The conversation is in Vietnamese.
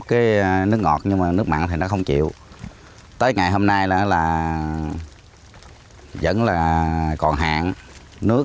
cái nước ngọt nhưng mà nước mặn thì nó không chịu tới ngày hôm nay đó là em vẫn là còn adây